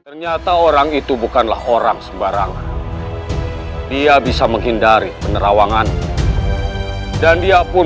ternyata orang itu bukanlah orang sembarangan dia bisa menghindari penerawangan dan dia pun